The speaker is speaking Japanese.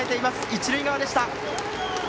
一塁側でした。